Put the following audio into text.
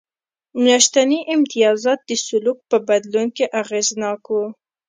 میاشتني امتیازات د سلوک په بدلون کې اغېزناک و